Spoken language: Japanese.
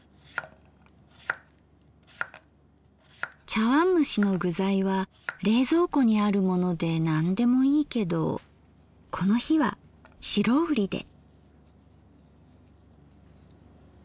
茶わんむしの具材は冷蔵庫にあるもので何でもいいけどこの日は白瓜で。